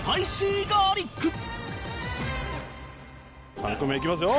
３組目いきますよ。